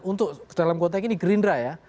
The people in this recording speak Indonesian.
untuk dalam konteks ini gerindra ya